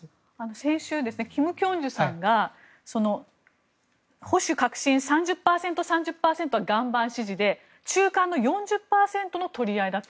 先週、金慶珠さんが保守、革新３０％、３０％は岩盤支持で中間の４０％の取り合いだと。